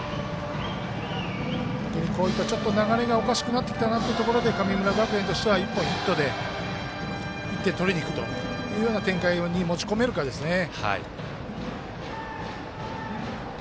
こういったちょっと流れがおかしくなってきたなというところで神村学園としては、１本ヒットで１点取りにいくというような展開に持ち込めるかですね。